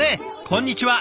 こんにちは。